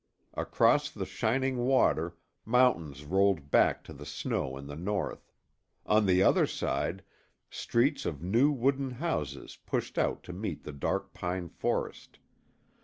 Across the shining water, mountains rolled back to the snow in the North; on the other side, streets of new wooden houses pushed out to meet the dark pine forest.